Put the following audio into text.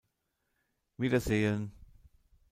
Wiedersehen!